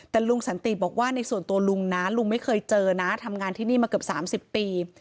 แต่ลุงสันติบอกว่าในส่วนตัวลุงนะลุงไม่เคยเจอนะทำงานที่นี่มาเกือบ๓๐ปี